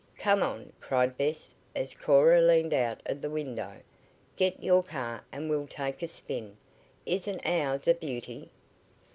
"Come on!" cried Bess as Cora leaned out of the window. "Get your car and we'll take a spin! Isn't ours a beauty?"